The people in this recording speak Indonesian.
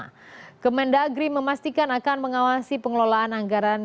kementerian dalam negeri memastikan akan mengawasi pengelolaan anggaran